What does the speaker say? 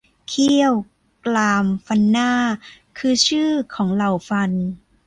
เขี้ยว กราม ฟันหน้า คือ ชื่อของเหล่าฟัน